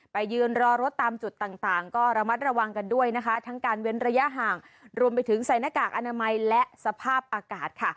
ไปยืนรอรถตามจุดต่างต่างก็ระมัดระวังกันด้วยนะคะทั้งการเว้นระยะห่างรวมไปถึงใส่หน้ากากอนามัยและสภาพอากาศค่ะ